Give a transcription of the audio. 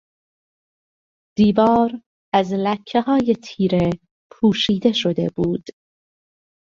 دیوار از لکههای تیره پوشیده شده بود.